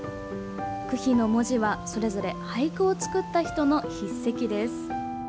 句碑の文字は、それぞれ俳句を作った人の筆跡です。